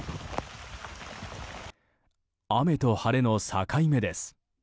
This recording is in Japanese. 雨と晴れの境目です。